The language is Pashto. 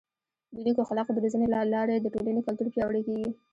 د نیکو اخلاقو د روزنې له لارې د ټولنې کلتور پیاوړی کیږي.